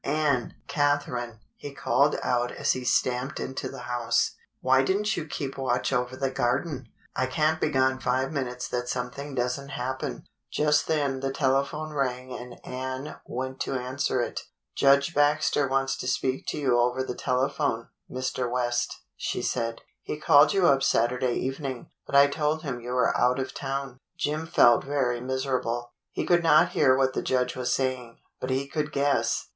Ann! Cath erine!" he called out as he stamped into the house, " why did n't you keep watch over the garden .^^ I can't be gone five minutes that something does n't happen." THE HOME COMING 121 Just then the telephone rang and Ann went to answer it. "Judge Baxter wants to speak to you over the telephone, Mr. West," she said. "He called you up Saturday evening, but I told him you were out of town." Jim felt very miserable. He could not hear what the judge was saying, but he could guess.